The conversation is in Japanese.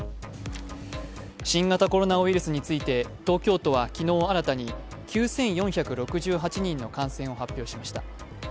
新型コロナウイルスについて東京都は昨日、新たに９４６８人の感染を発表しました。